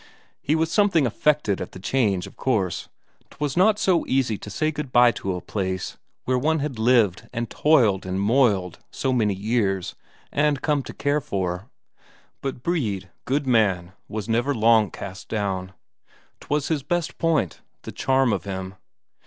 He was something affected at the change, of course; 'twas not so easy to say good bye to a place where one had lived and toiled and moiled so many years, and come to care for. But Brede, good man, was never long cast down. 'Twas his best point, the charm of him.